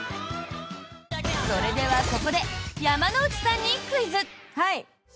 それでは、ここで山之内さんにクイズ！